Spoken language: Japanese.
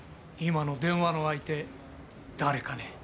今の電話の相手誰かね？